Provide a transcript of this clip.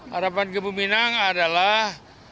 harapan gembu minang adalah